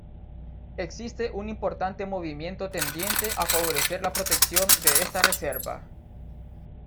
Existe un importante movimiento tendiente a favorecer la protección de esta reserva.